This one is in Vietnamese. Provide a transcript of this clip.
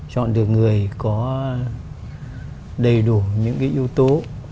chọn được người có đầy đủ những cái yếu tố